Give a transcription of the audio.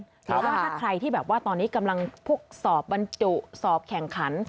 แต่ว่าถ้าใครที่ตอนนี้กำลังพกสอบบรรจุสอบแข่งขัน